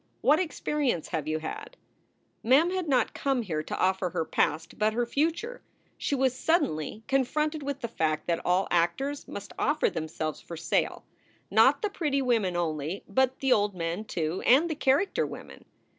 What experience have you had?" Mem had not come here to offer her past, but her future. She was suddenly confronted with the fact that all actors must offer themselves for sale not the pretty women only, but the old men, too, and the character women.